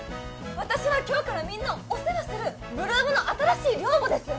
私は今日からみんなをお世話する８ＬＯＯＭの新しい寮母です！